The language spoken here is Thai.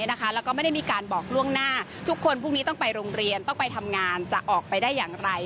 และไม่ได้มีการบอกล่วงหน้าทุกคนต้องไปโรงเรียนกดทำงานจะออกไปได้อย่างไร